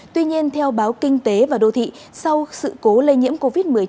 tuy nhiên theo báo kinh tế và đô thị sau sự cố lây nhiễm covid một mươi chín